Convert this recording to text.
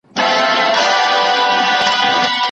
چي یې قربان کړل خپل اولادونه